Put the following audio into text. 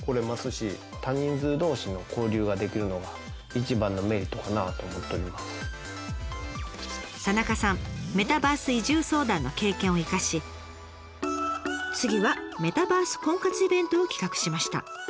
宇陀市みたいな田舎であっても田中さんメタバース移住相談の経験を生かし次はメタバース婚活イベントを企画しました。